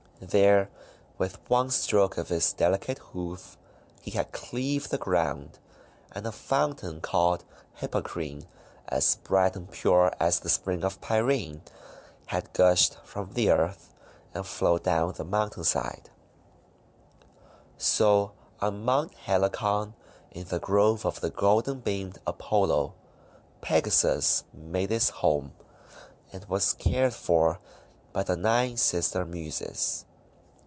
There, with one stroke of his delicate hoof, he had cleaved the ground, and a fountain called Hippocrene — as bright and pure as the Spring of Pirene, had gushed from the earth and flowed down the mountain side. THE WINGED HORSE 399 So on Mount Helicon in the grove of golden beamed Apollo, Pegasus made liis home, and was cared for by the Nine Sister Muses.